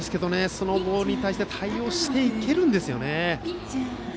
そのボールに対して対応していけるんですよね。